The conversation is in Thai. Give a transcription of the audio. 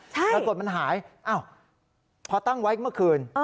ปรากฏมันหายพอตั้งไว้เมื่อคืน